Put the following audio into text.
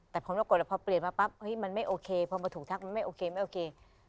แต่ผลปรากฏว่าพอเปลี่ยนมาปั๊บเฮ้ยมันไม่โอเคพอมาถูกทักมันไม่โอเคไม่โอเค